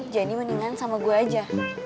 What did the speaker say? jadi mendingan sama gue aja